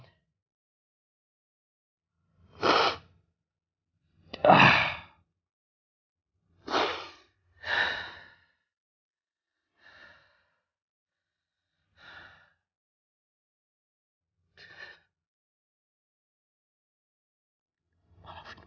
tidak tidak tidak tidak mungkin